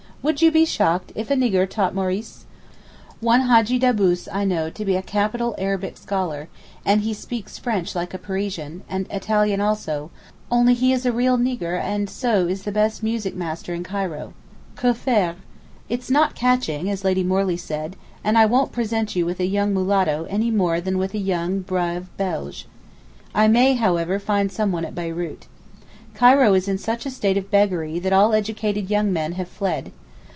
Would you be shocked if a nigger taught Maurice? One Hajjee Daboos I know to be a capital Arabic scholar and he speaks French like a Parisian, and Italian also, only he is a real nigger and so is the best music master in Cairo. Que faire? it's not catching, as Lady Morley said, and I won't present you with a young mulatto any more than with a young brave Belge. I may however find someone at Beyrout. Cairo is in such a state of beggary that all educated young men have fled.